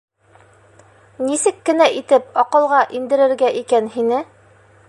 Нисек кенә итеп аҡылға индерергә икән һине?!